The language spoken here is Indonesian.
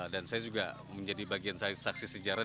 dan saya juga menjadi bagian saksi sejarah